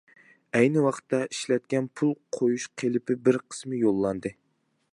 ئەينى ۋاقىتتا ئىشلەتكەن پۇل قۇيۇش قېلىپى بىر قىسمى يوللاندى.